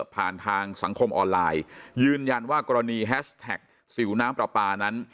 ผ่านทางสังคมออนไลน์ยืนยันว่ากรณีแฮชแท็กสิวน้ำปลาปลานั้น